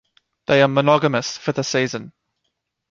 They are monogamous for the season.